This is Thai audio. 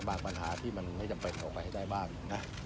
บางปัญหาที่มันไม่ใช่จำเป็นเขาไปให้ได้บ้างนะ